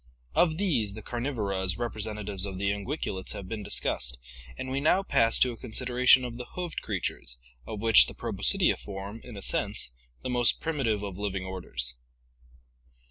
Of these the Carnivora as representatives of the unguiculates have been discussed, and we now pass to a consideration of the hoofed creatures, of which the Proboscidea form, in a sense, the most primi tive of living orders.